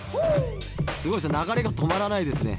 すごいです流れが止まらないですね。